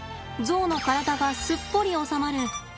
ゾウの体がすっぽり収まる